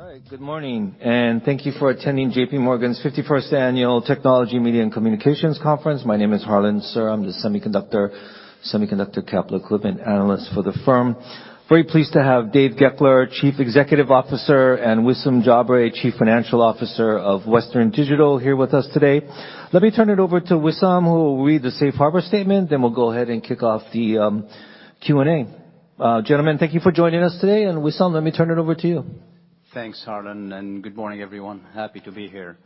All right. Good morning, and thank you for attending J.P. Morgan's 51st Annual Technology Media and Communications Conference. My name is Harlan Sur. I'm the semiconductor capital equipment analyst for the firm. Very pleased to have Dave Goeckeler, Chief Executive Officer, and Wissam Jabre, Chief Financial Officer of Western Digital, here with us today. Let me turn it over to Wissam, who will read the safe harbor statement, then we'll go ahead and kick off the Q&A. Gentlemen, thank you for joining us today. Wissam, let me turn it over to you. Thanks, Harlan. Good morning, everyone. Happy to be here.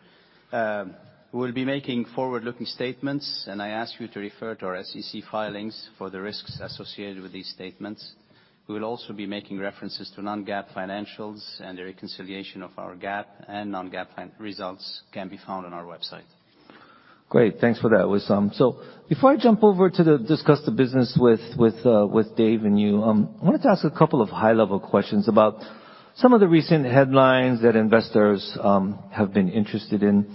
We'll be making forward-looking statements. I ask you to refer to our SEC filings for the risks associated with these statements. We will also be making references to non-GAAP financials and the reconciliation of our GAAP and non-GAAP results can be found on our website. Great. Thanks for that, Wissam. Before I jump over to discuss the business with Dave and you, I wanted to ask a couple of high-level questions about some of the recent headlines that investors have been interested in.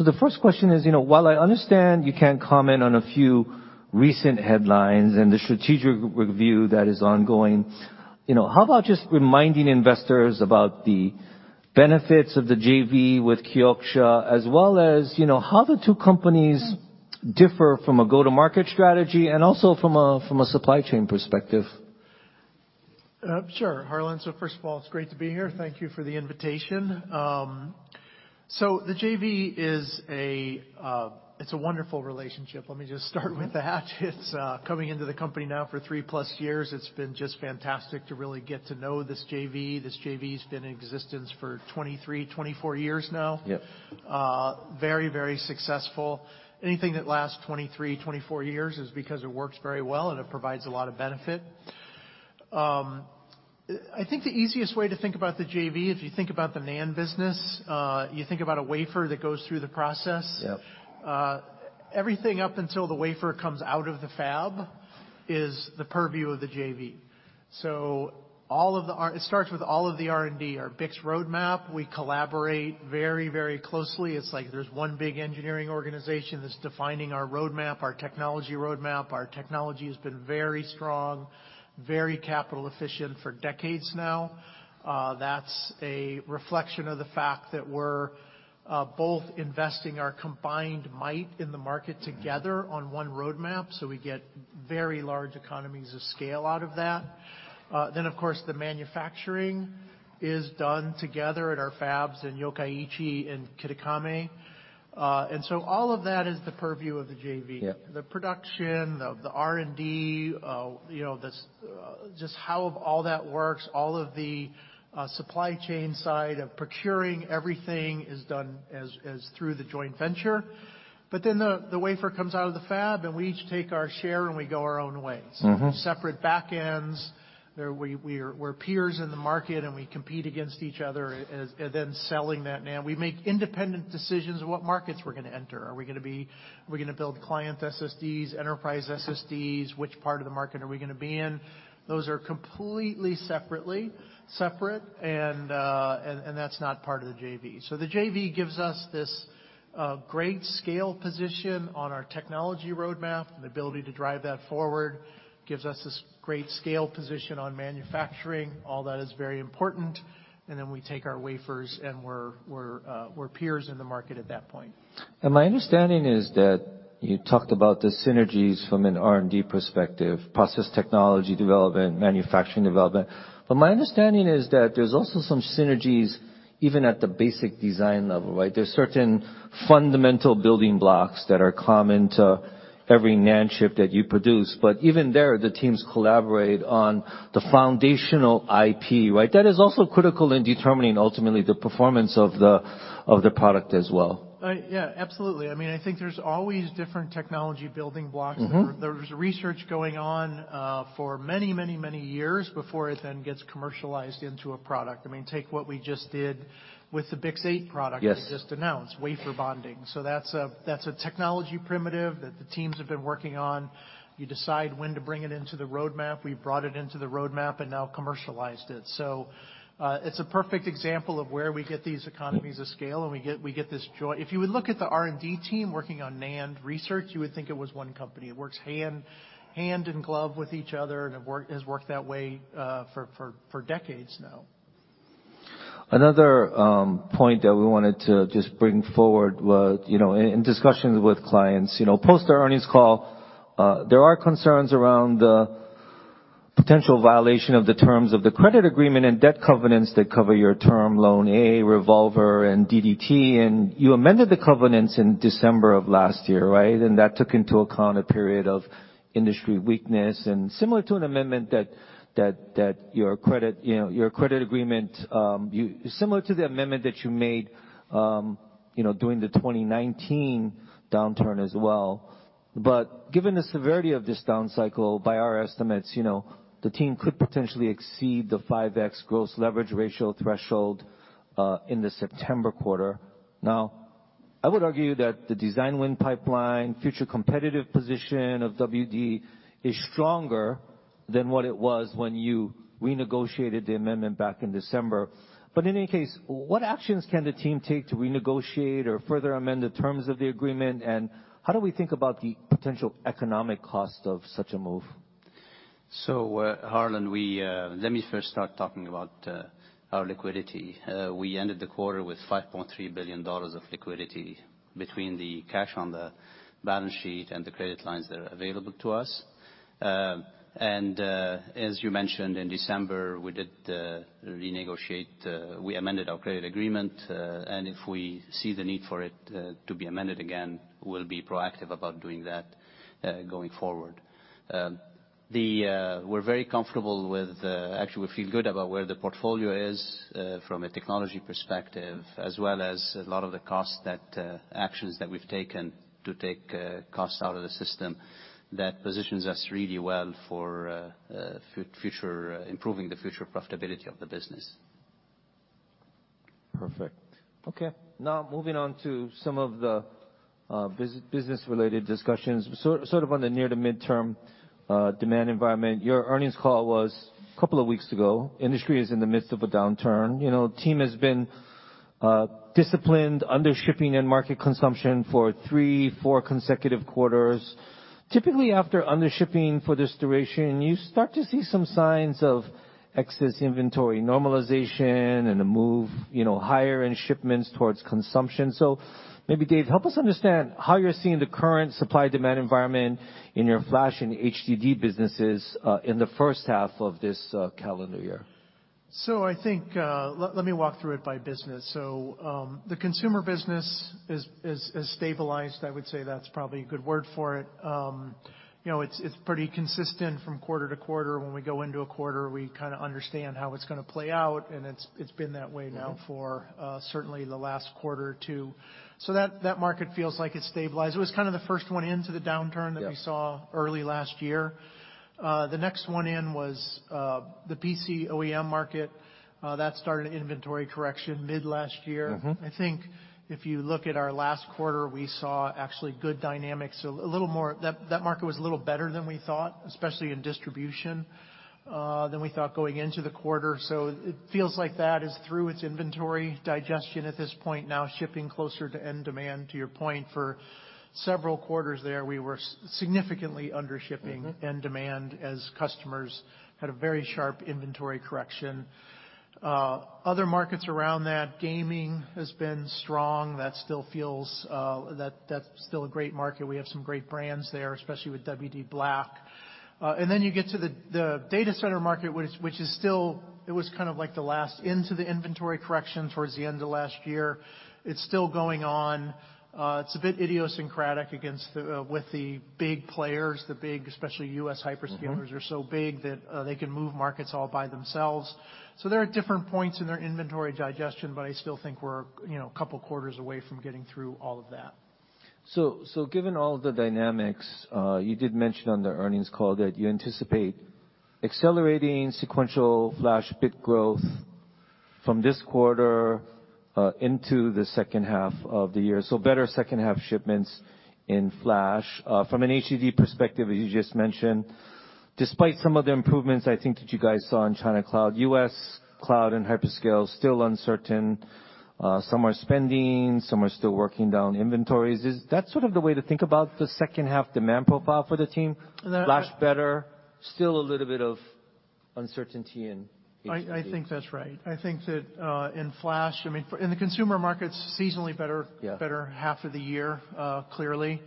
The first question is, you know, while I understand you can't comment on a few recent headlines and the strategic review that is ongoing, you know, how about just reminding investors about the benefits of the JV with KIOXIA as well as, you know, how the two companies differ from a go-to-market strategy and also from a supply chain perspective? Sure, Harlan. First of all, it's great to be here. Thank you for the invitation. The JV is a wonderful relationship. Let me just start with that. It's coming into the company now for 3-plus years, it's been just fantastic to really get to know this JV. This JV has been in existence for 23-24 years now. Yep. Very, very successful. Anything that lasts 23, 24 years is because it works very well and it provides a lot of benefit. I think the easiest way to think about the JV, if you think about the NAND business, you think about a wafer that goes through the process. Yep. Everything up until the wafer comes out of the fab is the purview of the JV. It starts with all of the R&D, our BiCS roadmap. We collaborate very, very closely. It's like there's one big engineering organization that's defining our roadmap, our technology roadmap. Our technology has been very strong, very capital efficient for decades now. That's a reflection of the fact that we're both investing our combined might in the market together. Mm-hmm. on one roadmap, so we get very large economies of scale out of that. Of course, the manufacturing is done together at our fabs in Yokkaichi and Kitakami. All of that is the purview of the JV. Yeah. The production, the R&D, you know, this, just how all that works, all of the, supply chain side of procuring everything is done as through the joint venture. The wafer comes out of the fab and we each take our share, and we go our own ways. Mm-hmm. Separate backends. We're peers in the market, and we compete against each other as, and then selling that NAND. We make independent decisions on what markets we're gonna enter. Are we gonna build client SSDs, enterprise SSDs? Which part of the market are we gonna be in? Those are completely separately separate, and that's not part of the JV. The JV gives us this great scale position on our technology roadmap, and ability to drive that forward. Gives us this great scale position on manufacturing. All that is very important. We take our wafers and we're peers in the market at that point. My understanding is that you talked about the synergies from an R&D perspective, process technology development, manufacturing development. My understanding is that there's also some synergies even at the basic design level, right? There's certain fundamental building blocks that are common to every NAND chip that you produce. Even there, the teams collaborate on the foundational IP, right? That is also critical in determining ultimately the performance of the product as well. Yeah, absolutely. I mean, I think there's always different technology building blocks- Mm-hmm. There's research going on, for many years before it then gets commercialized into a product. I mean, take what we just did with the BiCS8 product. Yes. We just announced, wafer bonding. That's a technology primitive that the teams have been working on. You decide when to bring it into the roadmap. We've brought it into the roadmap and now commercialized it. It's a perfect example of where we get these economies of scale, and we get this joy. If you would look at the R&D team working on NAND research, you would think it was one company. It works hand in glove with each other and have work, has worked that way, for decades now. Another point that we wanted to just bring forward was, you know, in discussions with clients. You know, post our earnings call, there are concerns around the potential violation of the terms of the credit agreement and debt covenants that cover your Term Loan A, revolver, and DDTL. You amended the covenants in December of last year, right? That took into account a period of industry weakness and similar to an amendment that your credit, you know, your credit agreement, similar to the amendment that you made, you know, during the 2019 downturn as well. Given the severity of this down cycle, by our estimates, you know, the team could potentially exceed the 5x gross leverage ratio threshold in the September quarter. I would argue that the design win pipeline, future competitive position of WD is stronger than what it was when you renegotiated the amendment back in December. In any case, what actions can the team take to renegotiate or further amend the terms of the agreement, and how do we think about the potential economic cost of such a move? Harlan, we, let me first start talking about our liquidity. We ended the quarter with $5.3 billion of liquidity between the cash on the balance sheet and the credit lines that are available to us. And, as you mentioned, in December, we did renegotiate, we amended our credit agreement, and if we see the need for it, to be amended again, we'll be proactive about doing that going forward. We're very comfortable with, actually we feel good about where the portfolio is, from a technology perspective, as well as a lot of the costs that actions that we've taken to take costs out of the system. That positions us really well for future improving the future profitability of the business. Perfect. Okay. Now, moving on to some of the business related discussions, sort of on the near to midterm demand environment. Your earnings call was a couple of weeks ago. Industry is in the midst of a downturn. You know, team has been disciplined under shipping and market consumption for three, four consecutive quarters. Typically, after under shipping for this duration, you start to see some signs of excess inventory normalization and a move, you know, higher in shipments towards consumption. maybe Dave, help us understand how you're seeing the current supply-demand environment in your flash and HDD businesses, in the first half of this calendar year? I think let me walk through it by business. The consumer business is stabilized. I would say that's probably a good word for it. You know, it's pretty consistent from quarter to quarter. When we go into a quarter, we kinda understand how it's gonna play out, and it's been that way now for certainly the last quarter or two. That market feels like it's stabilized. It was kinda the first one into the downturn. Yeah. -that we saw early last year. The next one in was, the PC OEM market. That started inventory correction mid last year. Mm-hmm. I think if you look at our last quarter, we saw actually good dynamics. That market was a little better than we thought, especially in distribution, than we thought going into the quarter. It feels like that is through its inventory digestion at this point now, shipping closer to end demand, to your point, for several quarters there, we were significantly under shipping. Mm-hmm. Demand as customers had a very sharp inventory correction. Other markets around that, gaming has been strong. That still feels, that's still a great market. We have some great brands there, especially with WD_BLACK. You get to the data center market, which is still... It was kind of like the last into the inventory correction towards the end of last year. It's still going on. It's a bit idiosyncratic against the, with the big players, the big, especially US hyperscalers- Mm-hmm. are so big that they can move markets all by themselves. They're at different points in their inventory digestion, but I still think we're, you know, a couple quarters away from getting through all of that. Given all the dynamics, you did mention on the earnings call that you anticipate accelerating sequential flash bit growth from this quarter into the second half of the year. Better second half shipments in flash. From an HDD perspective, as you just mentioned, despite some of the improvements, I think that you guys saw in China Cloud, US Cloud and hyperscale, still uncertain. Some are spending, some are still working down inventories. Is that sort of the way to think about the second half demand profile for the team? That- Flash better, still a little bit of uncertainty in HDD. I think that's right. I think that, in flash, I mean, for in the consumer markets, seasonally better. Yeah. better half of the year, clearly.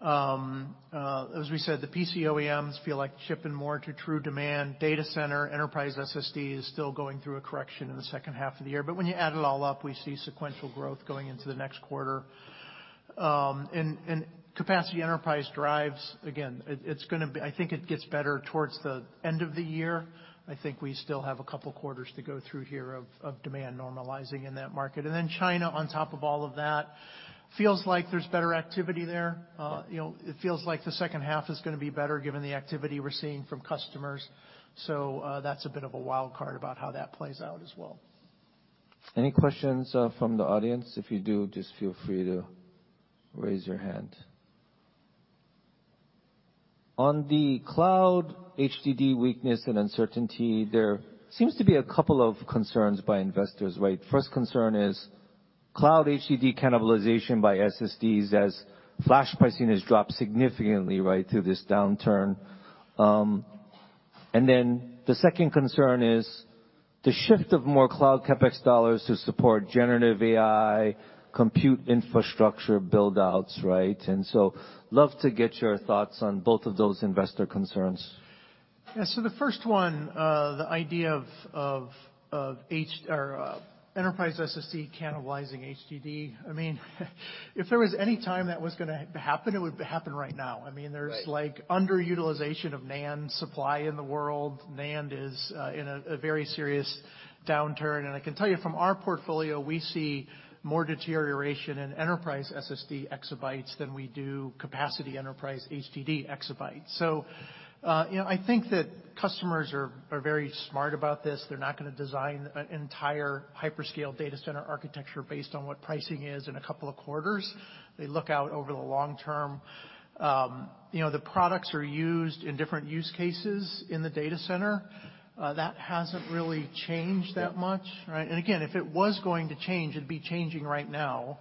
As we said, the PC OEMs feel like shipping more to true demand. Data center, enterprise SSD is still going through a correction in the second half of the year. When you add it all up, we see sequential growth going into the next quarter. Capacity enterprise drives, again, it's gonna be. I think it gets better towards the end of the year. I think we still have a couple quarters to go through here of demand normalizing in that market. Then China, on top of all of that, feels like there's better activity there. you know, it feels like the second half is gonna be better given the activity we're seeing from customers. that's a bit of a wild card about how that plays out as well. Any questions from the audience? If you do, just feel free to raise your hand. On the cloud HDD weakness and uncertainty, there seems to be a couple of concerns by investors, right? First concern is cloud HDD cannibalization by SSDs as flash pricing has dropped significantly, right, through this downturn. Then the second concern is the shift of more cloud CapEx dollars to support generative AI, compute infrastructure build-outs, right? Love to get your thoughts on both of those investor concerns. Yeah. The first one, the idea of enterprise SSD cannibalizing HDD, I mean, if there was any time that was gonna happen, it would happen right now. I mean, there's. Right. Underutilization of NAND supply in the world. NAND is in a very serious downturn. I can tell you from our portfolio, we see more deterioration in enterprise SSD exabytes than we do capacity enterprise HDD exabytes. You know, I think that customers are very smart about this. They're not gonna design an entire hyperscale data center architecture based on what pricing is in a couple of quarters. They look out over the long term. You know, the products are used in different use cases in the data center. That hasn't really changed that much, right? Again, if it was going to change, it'd be changing right now.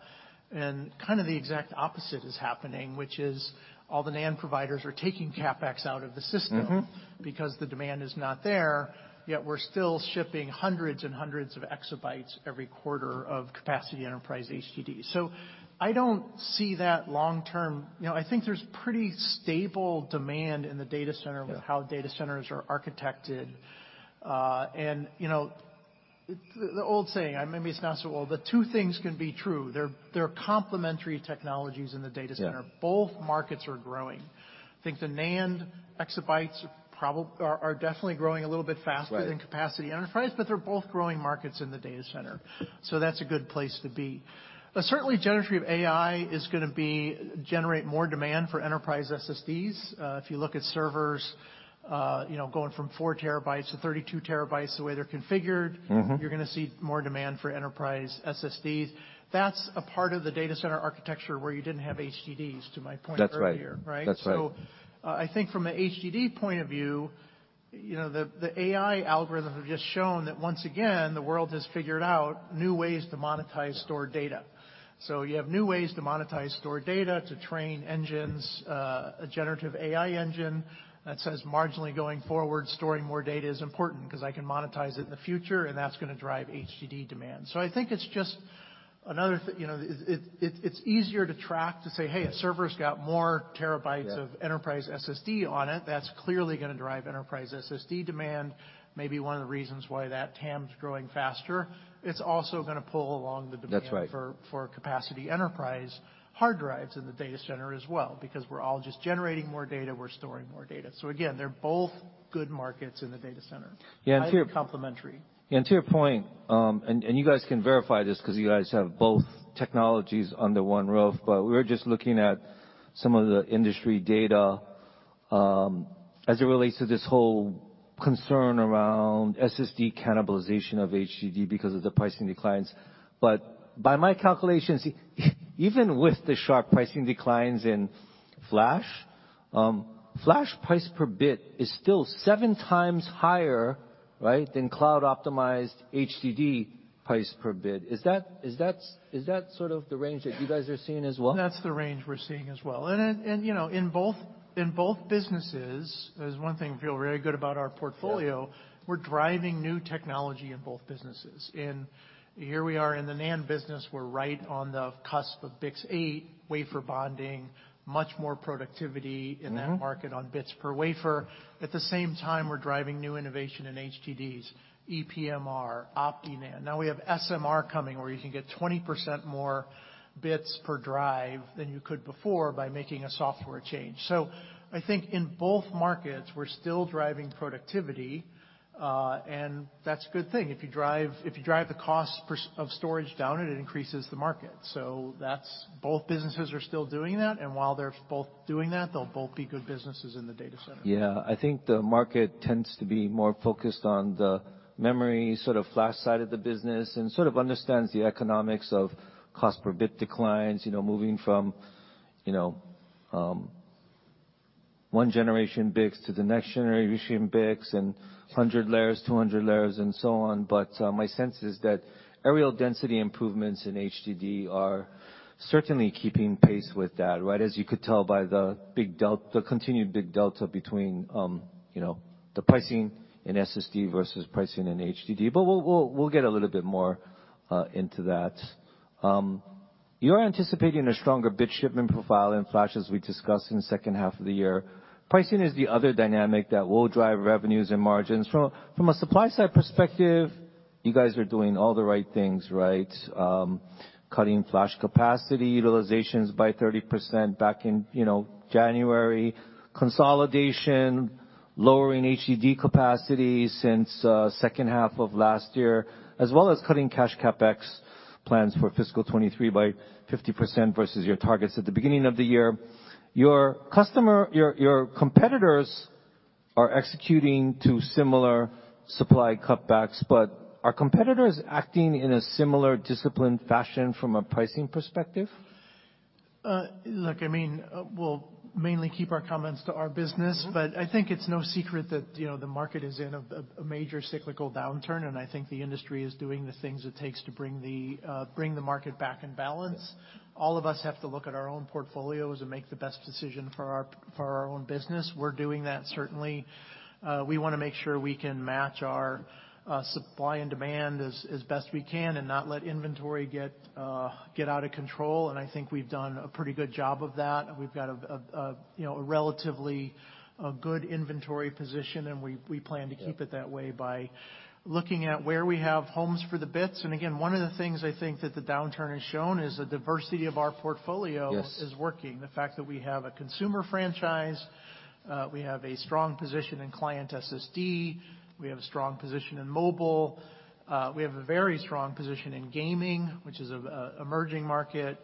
Kinda the exact opposite is happening, which is all the NAND providers are taking CapEx out of the system. Mm-hmm. because the demand is not there, yet we're still shipping hundreds and hundreds of exabytes every quarter of capacity enterprise HDDs. I don't see that long term. You know, I think there's pretty stable demand in the data center. Yeah. -with how data centers are architected. You know, the old saying, and maybe it's not so old, that two things can be true. They're complementary technologies in the data center. Yeah. Both markets are growing. Think the NAND exabytes are definitely growing a little bit faster. Right. than capacity enterprise. They're both growing markets in the data center. That's a good place to be. Certainly generative AI is gonna generate more demand for enterprise SSDs. If you look at servers, you know, going from four terabytes to 32 terabytes the way they're configured- Mm-hmm. You're gonna see more demand for enterprise SSDs. That's a part of the data center architecture where you didn't have HDDs, to my point earlier. That's right. Right? That's right. I think from a HDD point of view, you know, the AI algorithms have just shown that once again, the world has figured out new ways to monetize stored data. You have new ways to monetize stored data to train engines, a generative AI engine that says marginally going forward, storing more data is important 'cause I can monetize it in the future, and that's gonna drive HDD demand. I think it's just another you know, it's easier to track to say, "Hey, a server's got more terabytes of enterprise SSD on it." That's clearly gonna drive enterprise SSD demand. Maybe one of the reasons why that TAM's growing faster. It's also gonna pull along the demand. That's right. for capacity enterprise hard drives in the data center as well, because we're all just generating more data, we're storing more data. Again, they're both good markets in the data center. Yeah, and to your- Highly complementary. To your point, and you guys can verify this 'cause you guys have both technologies under one roof, but we're just looking at some of the industry data, as it relates to this whole concern around SSD cannibalization of HDD because of the pricing declines. By my calculations, even with the sharp pricing declines in flash price per bit is still seven times higher, right, than cloud-optimized HDD price per bit. Is that sort of the range that you guys are seeing as well? That's the range we're seeing as well. You know, in both businesses, there's one thing I feel really good about our portfolio. Yeah. We're driving new technology in both businesses. Here we are in the NAND business, we're right on the cusp of BiCS8 wafer bonding, much more productivity in that market on bits per wafer. At the same time, we're driving new innovation in HDDs, EPMR, OptiNAND. Now we have SMR coming, where you can get 20% more bits per drive than you could before by making a software change. I think in both markets, we're still driving productivity, and that's a good thing. If you drive the cost per of storage down, it increases the market. That's. Both businesses are still doing that, and while they're both doing that, they'll both be good businesses in the data center. Yeah. I think the market tends to be more focused on the memory, sort of flash side of the business, and sort of understands the economics of cost per bit declines, you know, moving from, you know, one generation BiCS to the next generation BiCS, and 100 layers, 200 layers and so on. My sense is that areal density improvements in HDD are certainly keeping pace with that, right? As you could tell by the continued big delta between, you know, the pricing in SSD versus pricing in HDD. We'll get a little bit more into that. You're anticipating a stronger bit shipment profile in flash, as we discussed, in the second half of the year. Pricing is the other dynamic that will drive revenues and margins. From a supply side perspective, you guys are doing all the right things, right? Cutting flash capacity utilizations by 30% back in, you know, January. Consolidation, lowering HDD capacity since second half of last year, as well as cutting cash CapEx plans for fiscal 2023 by 50% versus your targets at the beginning of the year. Your competitors are executing to similar supply cutbacks, but are competitors acting in a similar disciplined fashion from a pricing perspective? Look, I mean, we'll mainly keep our comments to our business. Mm-hmm. I think it's no secret that, you know, the market is in a major cyclical downturn, and I think the industry is doing the things it takes to bring the market back in balance. Yeah. All of us have to look at our own portfolios and make the best decision for our own business. We're doing that, certainly. We wanna make sure we can match our supply and demand as best we can and not let inventory get out of control, and I think we've done a pretty good job of that. We've got a, you know, a relatively good inventory position, and we plan to keep it that way by looking at where we have homes for the bits. Again, one of the things I think that the downturn has shown is the diversity of our portfolio. Yes. -is working. The fact that we have a consumer franchise, we have a strong position in client SSD, we have a strong position in mobile. We have a very strong position in gaming, which is an emerging market.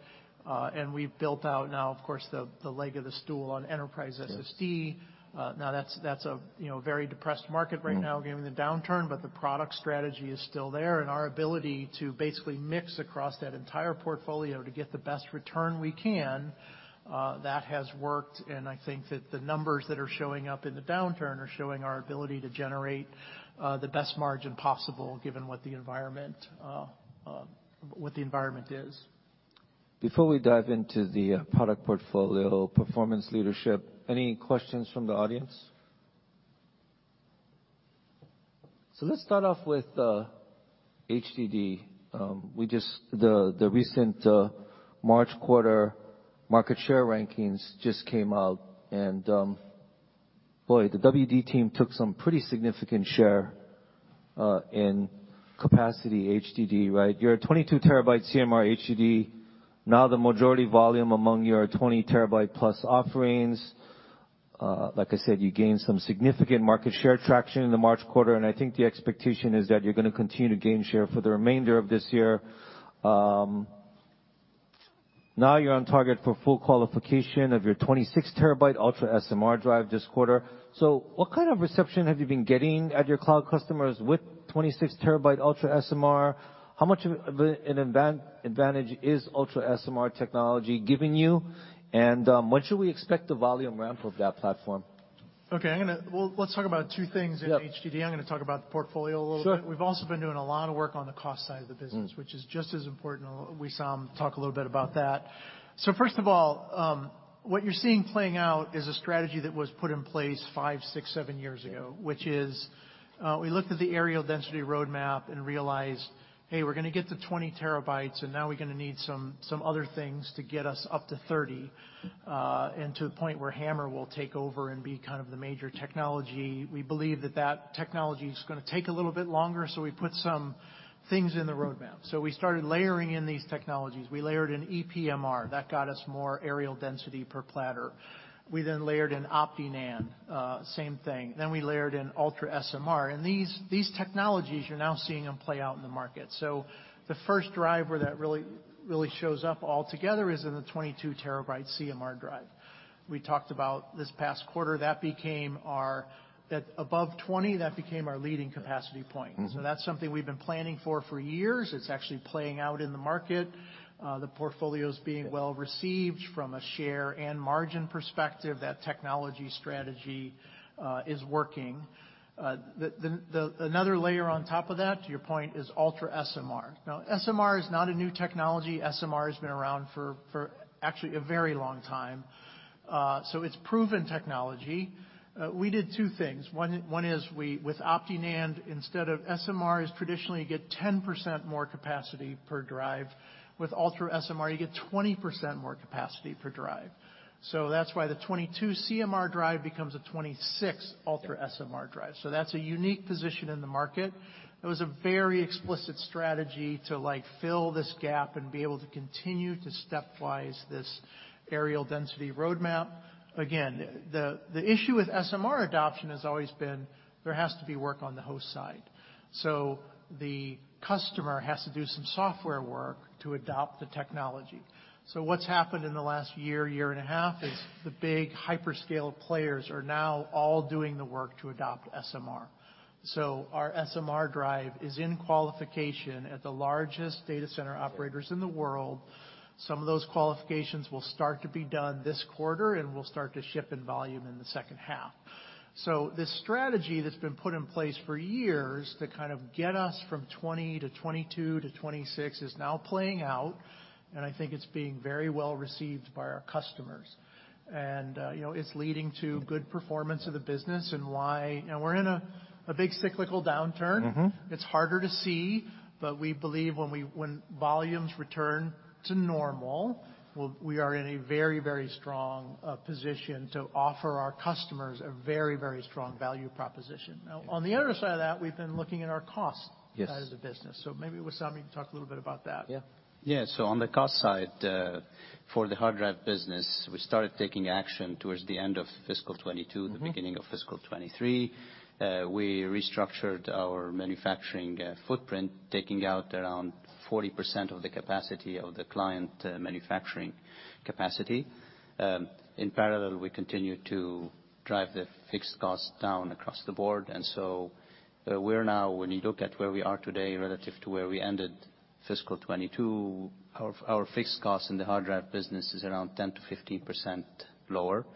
We've built out now, of course, the leg of the stool on enterprise SSD. Yes. Now that's a, you know, very depressed market right now given the downturn, but the product strategy is still there. Our ability to basically mix across that entire portfolio to get the best return we can, that has worked, and I think that the numbers that are showing up in the downturn are showing our ability to generate the best margin possible given what the environment is. Before we dive into the product portfolio, performance leadership, any questions from the audience? Let's start off with HDD. The recent March quarter market share rankings just came out, and the WD team took some pretty significant share in capacity HDD, right? Your 22 terabyte CMR HDD, now the majority volume among your 20 terabyte plus offerings. Like I said, you gained some significant market share traction in the March quarter, and I think the expectation is that you're gonna continue to gain share for the remainder of this year. Now you're on target for full qualification of your 26 terabyte UltraSMR drive this quarter. What kind of reception have you been getting at your cloud customers with 26 terabyte UltraSMR? How much of an advantage is UltraSMR technology giving you? When should we expect the volume ramp of that platform? Okay. Let's talk about 2 things in HDD. Yeah. I'm gonna talk about the portfolio a little bit. Sure. We've also been doing a lot of work on the cost side of the business. Mm. which is just as important. I'll let Wissam talk a little bit about that. First of all, what you're seeing playing out is a strategy that was put in place five, six, seven years ago, which is, we looked at the areal density roadmap and realized, "Hey, we're gonna get to 20 terabytes, and now we're gonna need some other things to get us up to 30, and to the point where HAMR will take over and be kind of the major technology." We believe that technology is gonna take a little bit longer, we put some things in the roadmap. We started layering in these technologies. We layered in EPMR. That got us more areal density per platter. We layered in OptiNAND, same thing. We layered in UltraSMR. These technologies, you're now seeing them play out in the market. The first driver that really shows up altogether is in the 22 terabyte CMR drive. We talked about this past quarter, that above 20, that became our leading capacity point. Mm-hmm. That's something we've been planning for years. It's actually playing out in the market. The portfolio's being well-received from a share and margin perspective. That technology strategy is working. Another layer on top of that, to your point, is UltraSMR. Now, SMR is not a new technology. SMR has been around for actually a very long time. It's proven technology. We did 2 things. With OptiNAND instead of SMR is traditionally you get 10% more capacity per drive. With UltraSMR, you get 20% more capacity per drive. That's why the 22 CMR drive becomes a 26 UltraSMR drive. That's a unique position in the market. It was a very explicit strategy to, like, fill this gap and be able to continue to stepwise this areal density roadmap. The issue with SMR adoption has always been there has to be work on the host side. The customer has to do some software work to adopt the technology. What's happened in the last year and a half is the big hyperscale players are now all doing the work to adopt SMR. Our SMR drive is in qualification at the largest data center operators in the world. Some of those qualifications will start to be done this quarter, and we'll start to ship in volume in the second half. This strategy that's been put in place for years to kind of get us from 20 to 22 to 26 is now playing out, and I think it's being very well-received by our customers. You know, it's leading to good performance of the business and why... You know, we're in a big cyclical downturn. Mm-hmm. It's harder to see, but we believe when volumes return to normal, we are in a very strong position to offer our customers a very strong value proposition. On the other side of that, we've been looking at our cost- Yes. -side of the business. Maybe, Wissam, you can talk a little bit about that. Yeah. Yeah. On the cost side, for the hard drive business, we started taking action towards the end of fiscal 2022. Mm-hmm. the beginning of fiscal 2023. We restructured our manufacturing footprint, taking out around 40% of the capacity of the client manufacturing capacity. In parallel, we continued to drive the fixed costs down across the board. We're now, when you look at where we are today relative to where we ended fiscal 2022, our fixed costs in the hard drive business is around 10%-15% lower.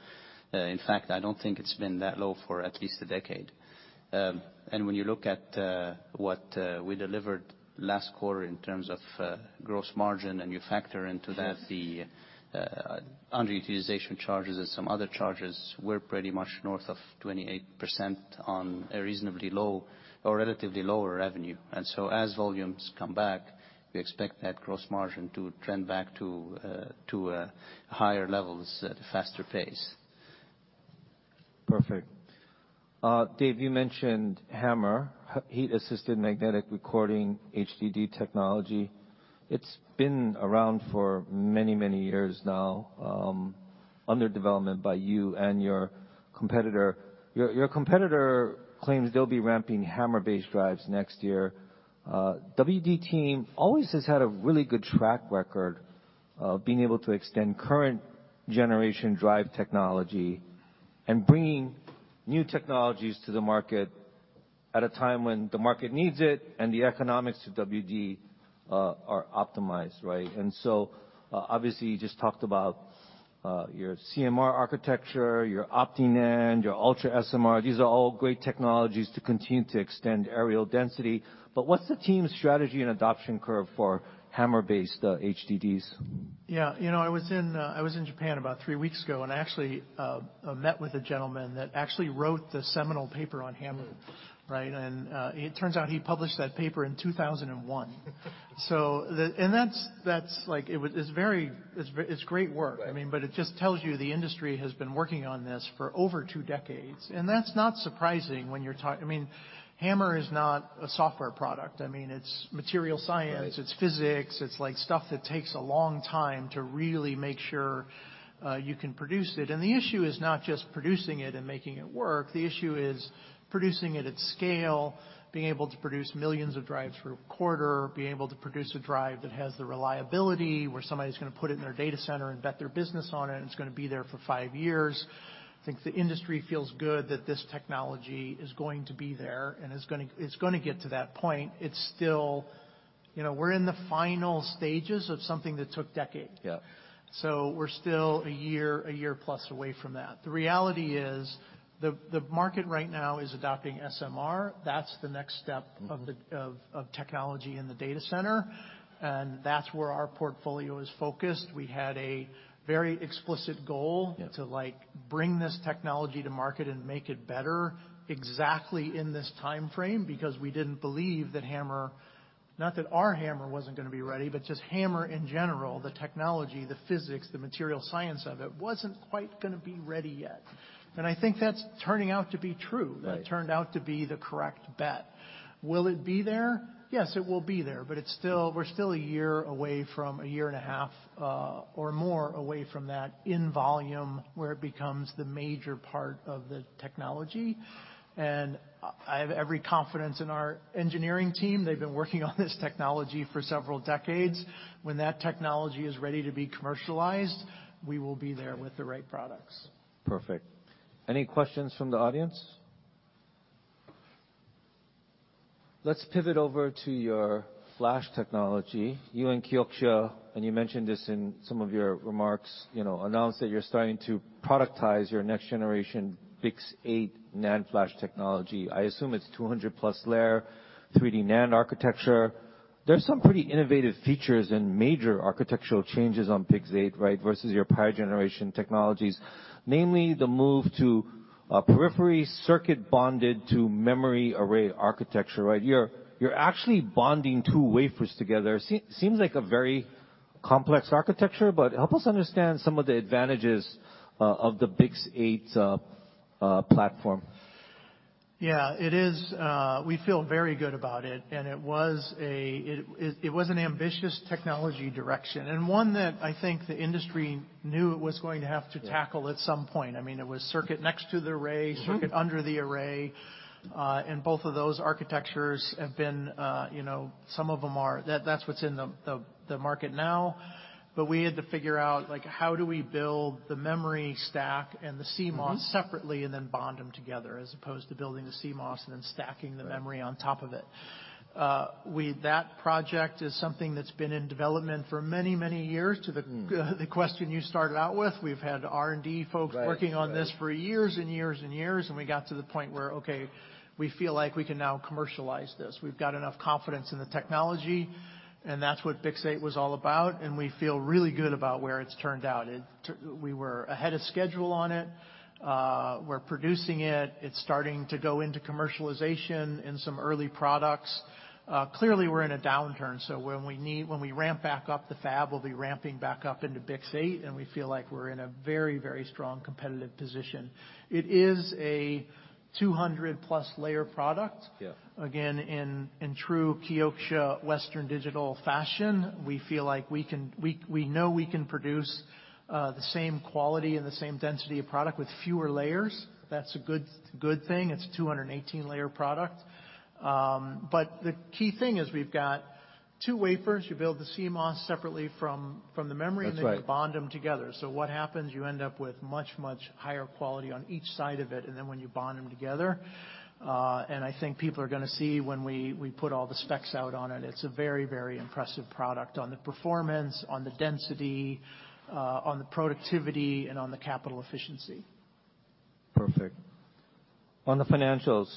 In fact, I don't think it's been that low for at least a decade. When you look at what we delivered last quarter in terms of gross margin, and you factor into that the underutilization charges and some other charges, we're pretty much north of 28% on a reasonably low or relatively lower revenue. As volumes come back, we expect that gross margin to trend back to higher levels at a faster pace. Perfect. Dave, you mentioned HAMR, Heat-Assisted Magnetic Recording, HDD technology. It's been around for many, many years now, under development by you and your competitor. Your competitor claims they'll be ramping HAMR-based drives next year. WD team always has had a really good track record of being able to extend current generation drive technology and bringing new technologies to the market at a time when the market needs it and the economics to WD are optimized, right? Obviously you just talked about your CMR architecture, your OptiNAND, your UltraSMR. These are all great technologies to continue to extend areal density, but what's the team's strategy and adoption curve for HAMR-based HDDs? Yeah. You know, I was in, I was in Japan about three weeks ago, and I actually met with a gentleman that actually wrote the seminal paper on HAMR, right? It turns out he published that paper in 2001. The... That's like it's very, it's great work. Right. I mean, it just tells you the industry has been working on this for over 2 decades, and that's not surprising when you're I mean, HAMR is not a software product. I mean, it's material science. Right. It's physics. It's like stuff that takes a long time to really make sure, you can produce it. The issue is not just producing it and making it work. The issue is producing it at scale, being able to produce millions of drives for a quarter, being able to produce a drive that has the reliability, where somebody's gonna put it in their data center and bet their business on it, and it's gonna be there for 5 years. I think the industry feels good that this technology is going to be there and is gonna get to that point. It's still... You know, we're in the final stages of something that took decades. Yeah. We're still a year, a year plus away from that. The reality is the market right now is adopting SMR. Mm-hmm. Of the technology in the data center, that's where our portfolio is focused. We had a very explicit goal. Yeah. To, like, bring this technology to market and make it better exactly in this timeframe because we didn't believe that HAMR, not that our HAMR wasn't gonna be ready, but just HAMR in general, the technology, the physics, the material science of it wasn't quite gonna be ready yet. I think that's turning out to be true. Right. That turned out to be the correct bet. Will it be there? Yes, it will be there, but we're still a year and a half or more away from that in volume where it becomes the major part of the technology. I have every confidence in our engineering team. They've been working on this technology for several decades. When that technology is ready to be commercialized, we will be there with the right products. Perfect. Any questions from the audience? Let's pivot over to your flash technology. You and KIOXIA, and you mentioned this in some of your remarks, you know, announced that you're starting to productize your next generation BiCS8 NAND flash technology. I assume it's 200+ layer 3D NAND architecture. There's some pretty innovative features and major architectural changes on BiCS8, right? Versus your prior generation technologies. Namely, the move to a periphery circuit bonded to memory array architecture, right? You're actually bonding two wafers together. Seems like a very complex architecture, but help us understand some of the advantages of the BiCS8 platform. Yeah. It is... We feel very good about it, and it was an ambitious technology direction, and one that I think the industry knew it was going to have to tackle. Yeah. At some point. I mean, it was circuit next to the array- Mm-hmm. Circuit under the array. Both of those architectures have been, you know, some of them are. That's what's in the market now. We had to figure out, like, how do we build the memory stack and the CMOS- Mm-hmm. Separately and then bond them together as opposed to building the CMOS and then stacking the memory on top of it. That project is something that's been in development for many, many years to the. Mm. The question you started out with. We've had R&D. Right. Right. Working on this for years and years and years. We got to the point where, okay, we feel like we can now commercialize this. We've got enough confidence in the technology. That's what BiCS8 was all about. We feel really good about where it's turned out. We were ahead of schedule on it. We're producing it. It's starting to go into commercialization in some early products. Clearly we're in a downturn. When we need, when we ramp back up the fab, we'll be ramping back up into BiCS8. We feel like we're in a very, very strong competitive position. It is a 200 plus layer product. Yeah. Again, in true KIOXIA Western Digital fashion, we feel like we can, we know we can produce the same quality and the same density of product with fewer layers. That's a good thing. It's a 218-layer product. The key thing is we've got two wafers. You build the CMOS separately from the memory- That's right. Then you bond them together. What happens, you end up with much, much higher quality on each side of it, then when you bond them together, I think people are gonna see when we put all the specs out on it. It's a very, very impressive product on the performance, on the density, on the productivity, and on the capital efficiency. Perfect. On the financials,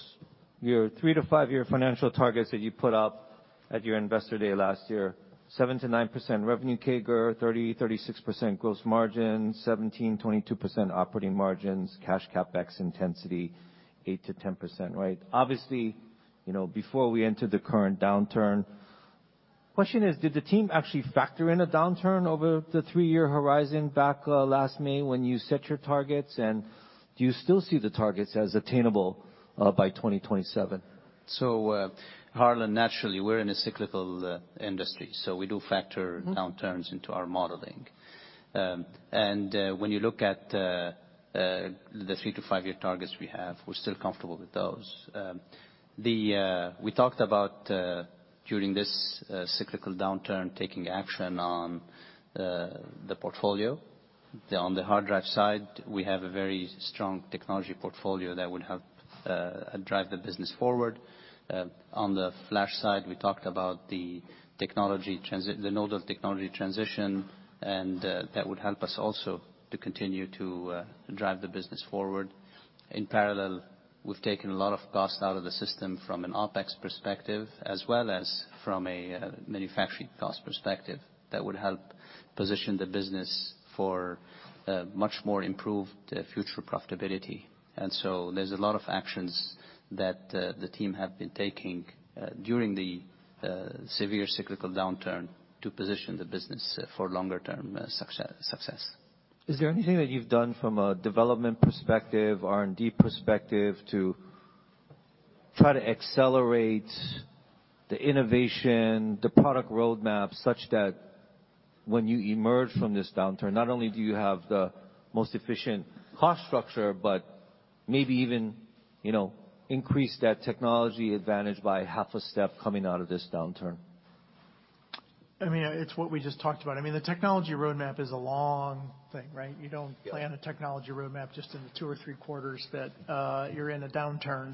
your 3-5-year financial targets that you put up at your investor day last year, 7%-9% revenue CAGR, 30%-36% gross margin, 17%-22% operating margins, cash CapEx intensity 8%-10%, right? Obviously, you know, before we enter the current downturn, question is, did the team actually factor in a downturn over the 3-year horizon back last May when you set your targets? Do you still see the targets as attainable by 2027? Harlan, naturally, we're in a cyclical industry, so we do. Mm-hmm. Downturns into our modeling. When you look at the 3-5-year targets we have, we're still comfortable with those. We talked about during this cyclical downturn, taking action on the portfolio. On the hard drive side, we have a very strong technology portfolio that would help drive the business forward. On the flash side, we talked about the node of technology transition, and that would help us also to continue to drive the business forward. In parallel, we've taken a lot of cost out of the system from an OpEx perspective, as well as from a manufacturing cost perspective that would help position the business for much more improved future profitability. There's a lot of actions that the team have been taking during the severe cyclical downturn to position the business for longer term success. Is there anything that you've done from a development perspective, R&D perspective to try to accelerate the innovation, the product roadmap, such that when you emerge from this downturn, not only do you have the most efficient cost structure, but maybe even, you know, increase that technology advantage by half a step coming out of this downturn? I mean, it's what we just talked about. I mean, the technology roadmap is a long thing, right? You don't. Yeah. -a technology roadmap just in the two or three quarters that you're in a downturn.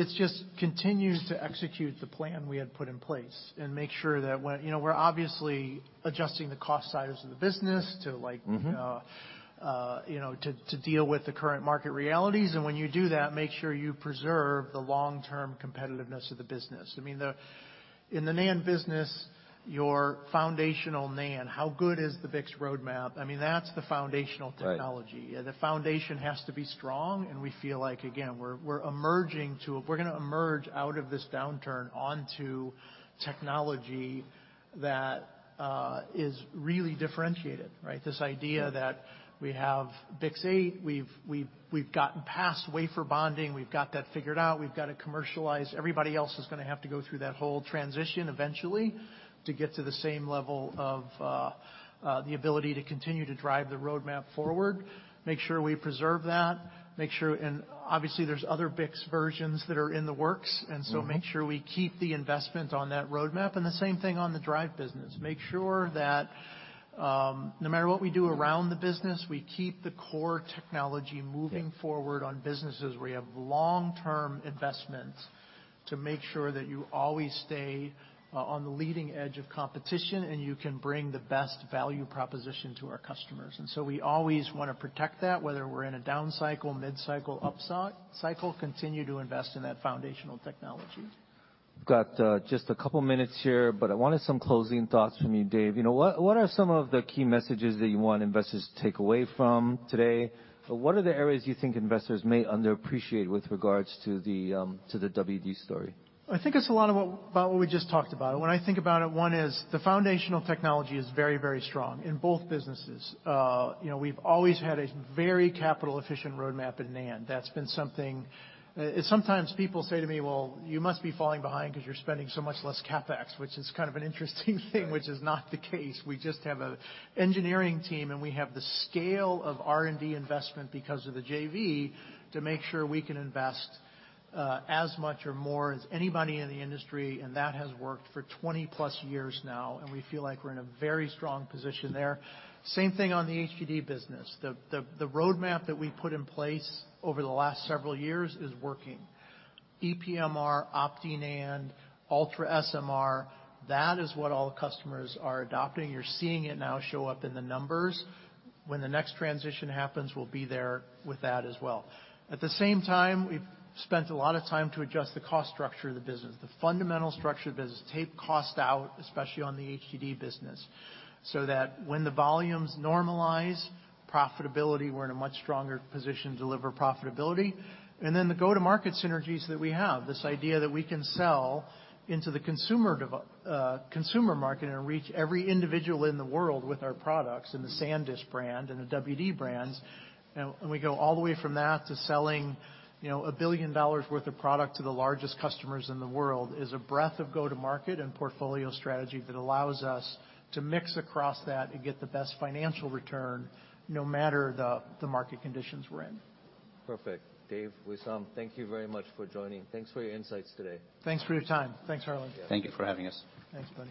It's just continue to execute the plan we had put in place and make sure that when You know, we're obviously adjusting the cost side of the business to. Mm-hmm. you know, to deal with the current market realities. When you do that, make sure you preserve the long-term competitiveness of the business. I mean, in the NAND business, your foundational NAND, how good is the BiCS roadmap? I mean, that's the foundational technology. Right. The foundation has to be strong, and we feel like, again, we're gonna emerge out of this downturn onto technology that is really differentiated, right? This idea that we have BiCS8, we've gotten past wafer bonding, we've got that figured out. We've got it commercialized. Everybody else is gonna have to go through that whole transition eventually to get to the same level of the ability to continue to drive the roadmap forward. Make sure we preserve that, make sure. Obviously there's other BiCS versions that are in the works. Mm-hmm. Make sure we keep the investment on that roadmap. The same thing on the drive business. Make sure that, no matter what we do around the business, we keep the core technology moving forward. Yeah. on businesses where you have long-term investments to make sure that you always stay on the leading edge of competition, and you can bring the best value proposition to our customers. We always wanna protect that, whether we're in a down cycle, mid cycle, up cycle, continue to invest in that foundational technology. We've got just a couple minutes here, but I wanted some closing thoughts from you, Dave. You know, what are some of the key messages that you want investors to take away from today? What are the areas you think investors may underappreciate with regards to the to the WD story? I think it's a lot about what we just talked about. When I think about it, one is the foundational technology is very, very strong in both businesses. you know, we've always had a very capital efficient roadmap in NAND. That's been something. Sometimes people say to me, "Well, you must be falling behind 'cause you're spending so much less CapEx," which is kind of an interesting thing. Right. Which is not the case. We just have an engineering team, and we have the scale of R&D investment because of the JV to make sure we can invest as much or more as anybody in the industry. That has worked for 20-plus years now, and we feel like we're in a very strong position there. Same thing on the HDD business. The roadmap that we put in place over the last several years is working. EPMR, OptiNAND, UltraSMR, that is what all customers are adopting. You're seeing it now show up in the numbers. When the next transition happens, we'll be there with that as well. At the same time, we've spent a lot of time to adjust the cost structure of the business. The fundamental structure of the business take cost out, especially on the HDD business, so that when the volumes normalize, profitability, we're in a much stronger position to deliver profitability. The go-to-market synergies that we have, this idea that we can sell into the consumer market and reach every individual in the world with our products and the SanDisk brand and the WD brands. You know, and we go all the way from that to selling, you know, $1 billion worth of product to the largest customers in the world, is a breadth of go-to-market and portfolio strategy that allows us to mix across that and get the best financial return no matter the market conditions we're in. Perfect. Dave, Wissam, thank you very much for joining. Thanks for your insights today. Thanks for your time. Thanks, Harlan. Yeah. Thank you for having us. Thanks, buddy.